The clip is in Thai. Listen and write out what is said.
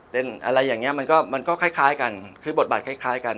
เป็นอะไรอย่างนี้มันก็มันก็คล้ายกันคือบทบาทคล้ายกัน